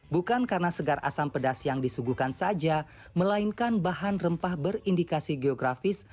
bukan karena segar asam pedas yang disuguhkan saja melainkan bahan rempah berindikasi geografis